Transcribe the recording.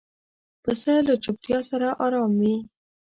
پسه له چوپتیا سره آرام وي.